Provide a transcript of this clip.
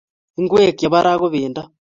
Ngwek chepo ra ko pendo